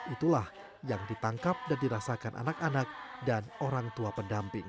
itulah yang ditangkap dan dirasakan anak anak dan orang tua pendamping